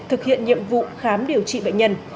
thực hiện nhiệm vụ khám điều trị bệnh nhân